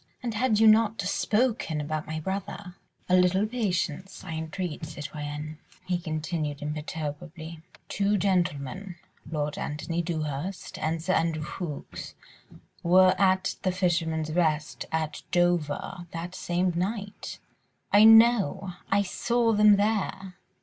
And had you not spoken about my brother ..." "A little patience, I entreat, citoyenne," he continued imperturbably. "Two gentlemen, Lord Antony Dewhurst and Sir Andrew Ffoulkes were at 'The Fisherman's Rest' at Dover that same night." "I know. I saw them there."